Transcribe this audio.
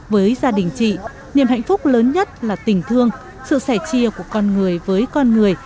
với gia đình chị niềm hạnh phúc lớn nhất là tình thương sự sẻ chia của con người với con người